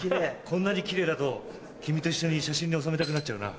こんなにキレイだと君と一緒に写真に収めたくなっちゃうな。